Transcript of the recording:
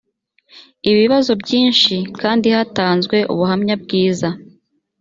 ibibazo byinshi kandi hatanzwe ubuhamya bwiza